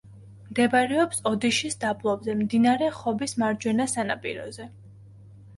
მდებარეობს ოდიშის დაბლობზე, მდინარე ხობის მარჯვენა სანაპიროზე.